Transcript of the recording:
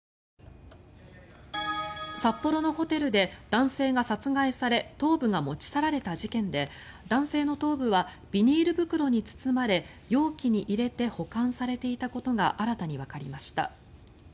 札幌のホテルで男性が殺害され頭部が持ち去られた事件で男性の頭部はビニール袋に包まれ容器に入れて保管されていたことが新たにわかりました。